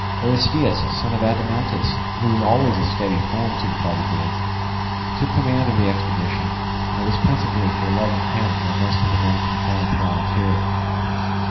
Aristeus, son of Adimantus, who was always a steady friend to the Potidæans, took command of the expedition, and it was principally for love of him that most of the men from Corinth volunteered.